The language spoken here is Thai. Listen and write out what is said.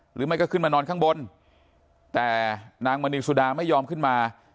หรือไม่ก็ขึ้นมานอนข้างบนแต่นางมณีสุดาไม่ยอมขึ้นมา